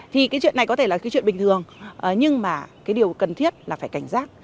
thì cái chuyện này có thể là cái chuyện bình thường nhưng mà cái điều cần thiết là phải cảnh giác